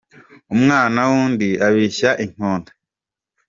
Umwana w'undi abishya inkonda.